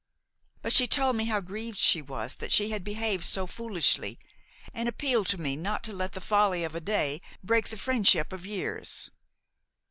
"But she told me how grieved she was that she had behaved so foolishly, and appealed to me not to let the folly of a day break the friendship of years."